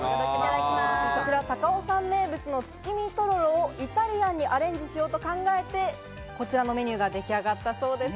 こちら高尾山名物の月見とろろをイタリアンにアレンジしようと考えてこちらのメニューが出来上がったそうです。